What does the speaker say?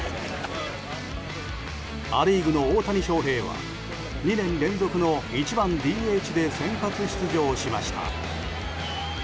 ア・リーグの大谷翔平は２年連続の１番ＤＨで先発出場しました。